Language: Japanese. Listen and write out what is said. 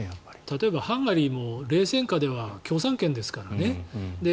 例えばハンガリーも冷戦下では共産圏ですからね。